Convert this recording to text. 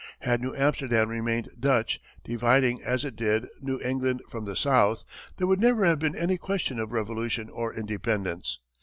Had New Amsterdam remained Dutch, dividing, as it did, New England from the South, there would never have been any question of revolution or independence.